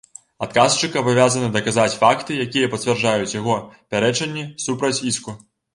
Адказчык абавязаны даказаць факты, якія пацвярджаюць яго пярэчанні супраць іску.